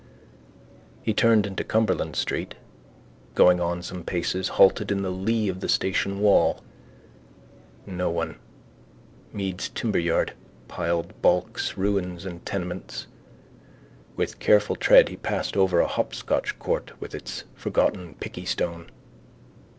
He turned into Cumberland street and, going on some paces, halted in the lee of the station wall. No one. Meade's timberyard. Piled balks. Ruins and tenements. With careful tread he passed over a hopscotch court with its forgotten pickeystone.